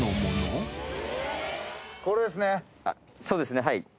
そうですねはい。